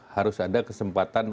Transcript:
harus ada kesempatan